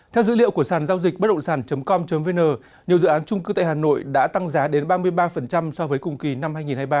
theo dữ liệu của sàn giao dịch bất động sản com vn nhiều dự án trung cư tại hà nội đã tăng giá đến ba mươi ba so với cùng kỳ năm hai nghìn hai mươi ba